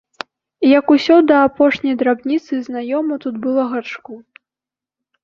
Як усё да апошняй драбніцы знаёма тут было Гаршку.